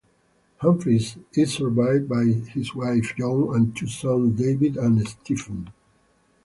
Humphreys is survived by his wife Joan and two sons David and Stephen.